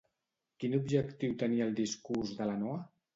Quin objectiu tenia el discurs de la Noa?